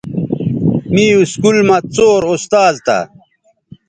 می اسکول مہ څور استاذ تھہ